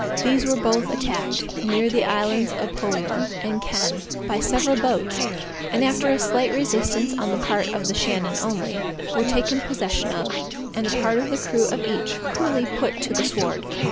These were both attacked, near the Islands of Polior and Kenn, by several boats, and after a slight resistance on the part of the Shannon only, were taken possession of, and a part of the crew of each, cruelly put to the sword.